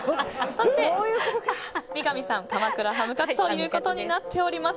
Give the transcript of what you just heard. そして、三上さんは鎌倉ハムカツとなっております。